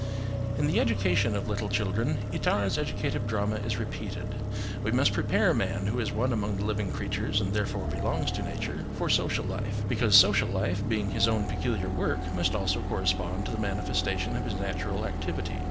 In the education of little children Itard's educative drama is repeated: we must prepare man, who is one among the living creatures and therefore belongs to nature, for social life, because social life being his own peculiar work, must also correspond to the manifestation of his natural activity.